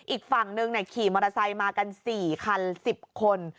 อีกฝั่งหนึ่งขี่มอเตอร์ไซค์มากัน๔คัน๑๐คน